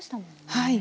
はい。